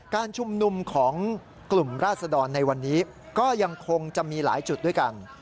การชุมนุมของกลุ่มราศดรในวันนี้ก็ยังคงจะมีหลายจุดด้วยกัน